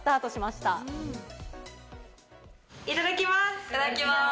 いただきます。